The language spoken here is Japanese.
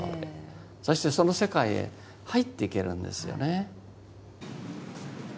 そしてその世界へ入っていけるんですよね。